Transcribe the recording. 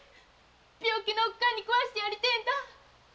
病気のおっ母に食わしてやりてぇんだ。